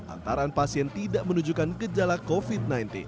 antara pasien tidak menunjukkan gejala covid sembilan belas